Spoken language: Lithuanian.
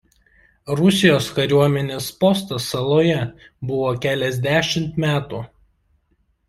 Rusijos kariuomenės postas saloje buvo keliasdešimt metų.